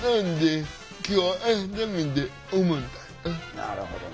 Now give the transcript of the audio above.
なるほどね。